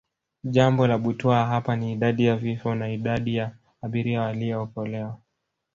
Jambo la butwaa hapa ni Idadi ya vifo na idadi ya abiria waliookolewa